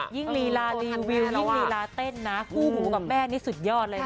ยิ่งรีลาดีววิวเนี่ยยิ่งรีลาเต้นคู่หูกับแม่นี่สุดยอดเลยนะ